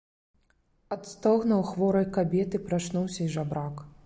Ад стогнаў хворай кабеты прачнуўся і жабрак.